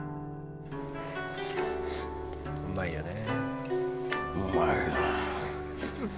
「うまいよね」